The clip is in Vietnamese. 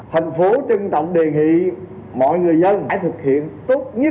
thành phố trân trọng đề nghị mọi người dân hãy thực hiện tốt nhất